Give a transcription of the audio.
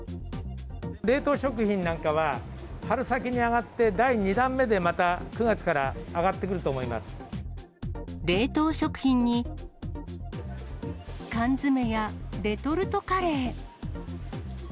冷凍食品なんかは、春先に上がって第２弾目でまた９月から上がってくると思い冷凍食品に、缶詰やレトルトカレー。